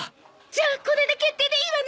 じゃあこれで決定でいいわね？